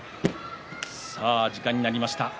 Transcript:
時間になりました。